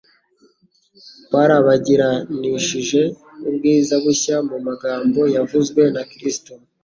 kwarabagiranishije ubwiza bushya mu magambo yavuzwe na Kristo.